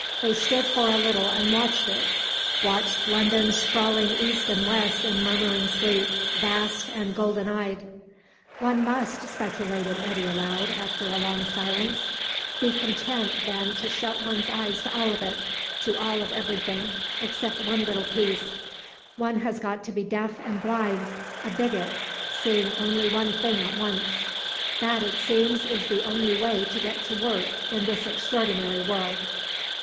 They stood for a little and watched it; watched London sprawling east and west in murmuring sleep, vast and golden eyed. "One must," speculated Eddy aloud, after a long silence, "be content, then, to shut one's eyes to all of it to all of everything except one little piece. One has got to be deaf and blind a bigot, seeing only one thing at once. That, it seems, is the only way to get to work in this extraordinary world.